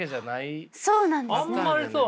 あんまりそう。